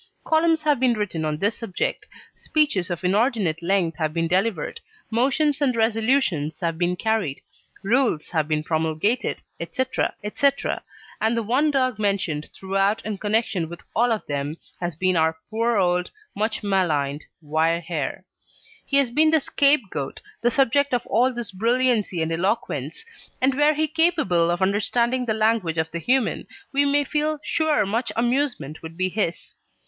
Columns have been written on this subject, speeches of inordinate length have been delivered, motions and resolutions have been carried, rules have been promulgated, etc., etc., and the one dog mentioned throughout in connection with all of them has been our poor old, much maligned wire hair. He has been the scapegoat, the subject of all this brilliancy and eloquence, and were he capable of understanding the language of the human, we may feel sure much amusement would be his.